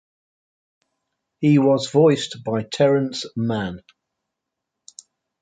He was voiced by Terrence Mann.